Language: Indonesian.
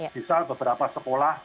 bisa beberapa sekolah